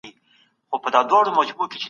موږ عزت غواړو.